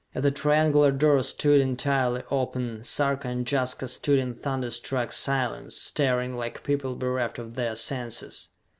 As the triangular door stood entirely open, Sarka and Jaska stood in thunderstruck silence, staring like people bereft of their senses.